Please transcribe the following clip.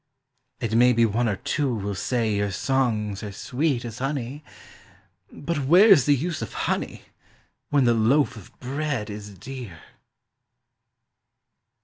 It may be one or two will say your songs are sweet as honey, But where's the use of honey, when the loaf of bread is dear?